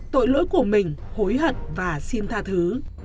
tội lỗi của mình hối hận và sim tha thứ